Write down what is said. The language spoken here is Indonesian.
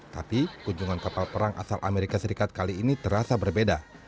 tapi kunjungan kapal perang asal amerika serikat kali ini terasa berbeda